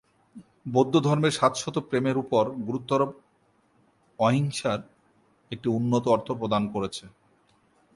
বৌদ্ধধর্মের শাশ্বত প্রেমের ওপর গুরুত্বারোপ অহিংসার একটি উন্নত অর্থ প্রদান করেছে।